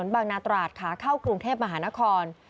บางนาตราดขาเข้ากรุงเทพมหานคร